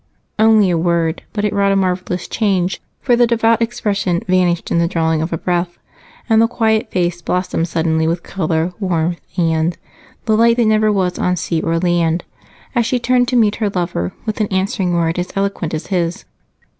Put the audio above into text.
Only a word, but it wrought a marvelous change, for the devout expression vanished in the drawing of a breath, and the quiet face blossomed suddenly with color, warmth, and "the light that never was on sea or land" as she turned to meet her lover with an answering word as eloquent as his.